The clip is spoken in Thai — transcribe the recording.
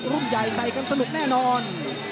รุ่นใหญ่ใส่กันสนุกแน่นอน